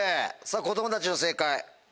さぁ子供たちの正解。